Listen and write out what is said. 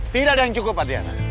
tidak ada yang cukup adriana